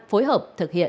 phối hợp thực hiện